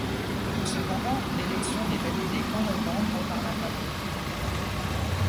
Cependant, l'élection n'est validée qu'en novembre par la papauté.